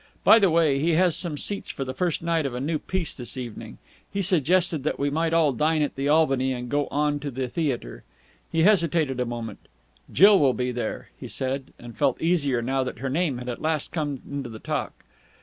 By the way, he has some seats for the first night of a new piece this evening. He suggested that we might all dine at the Albany and go on to the theatre." He hesitated a moment. "Jill will be there," he said, and felt easier now that her name had at last come into the talk.